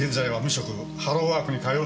ハローワークに通うのが日課。